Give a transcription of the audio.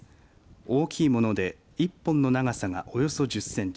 大きいもので１本の長さがおよそ１０センチ。